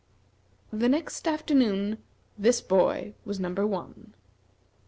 The next afternoon this boy was number one.